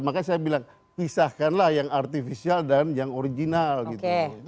makanya saya bilang pisahkanlah yang artifisial dan yang original gitu